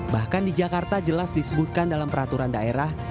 bahkan di jakarta jelas disebutkan dalam peraturan daerah